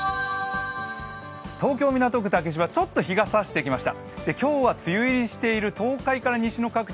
東京・港区竹芝、ちょっと日が差してきました。